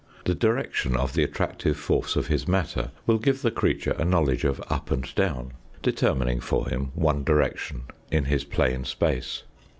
The direction of the attractive force of his matter will give the creature a knowledge of up and down, determining for him one direction in his plane space.